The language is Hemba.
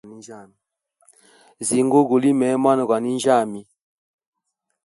Zinguwa gulime mwna gwa ninjyami.